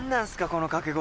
この掛け声。